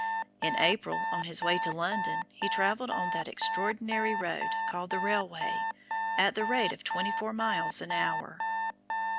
In April on his way to London he travelled "on that Extraordinary road called the railway, at the rate of twenty four miles an hour."